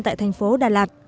tại thành phố đà lạt